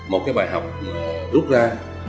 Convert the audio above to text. một cái bài học rút ra